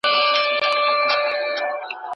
ځینې خلک پرېکړې ځنډوي.